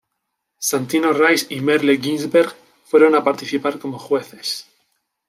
Santino Rice y Merle Ginsberg fueron a participar como jueces.